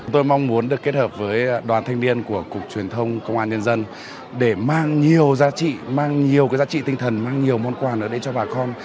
tôi mong muốn được kết hợp với đoàn thanh niên của cục truyền thông công an nhân dân để mang nhiều giá trị mang nhiều giá trị tinh thần mang nhiều món quà nữa đến cho bà con